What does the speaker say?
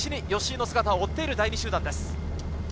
吉居の姿を必死に追っている第２集団です。